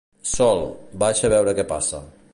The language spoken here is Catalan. Sol, baixa a veure què passa.